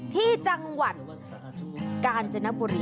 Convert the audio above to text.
ที่จังหวัดกาลชนะภูรี